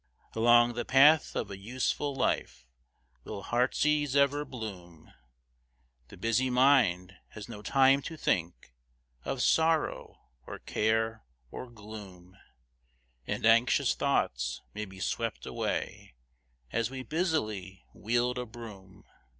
Along the path of a useful life Will heart's ease ever bloom; The busy mind has no time to think Of sorrow, or care, or gloom; And anxious thoughts may be swept away As we busily wield a broom.